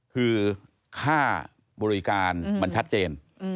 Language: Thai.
เพราะ๑ค่าบริการมันชัดเจน